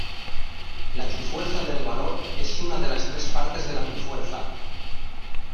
La Trifuerza del Valor es una de las tres partes de la Trifuerza.